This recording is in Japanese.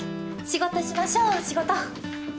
仕事しましょう仕事。